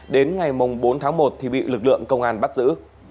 đến ngày bốn tháng một thì bị lực lượng công an bắt giữ